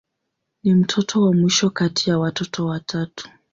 Ni mtoto wa mwisho kati ya watoto watatu.